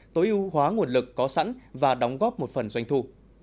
tối ưu hóa nguồn lực có sẵn và đóng góp một phần doanh thu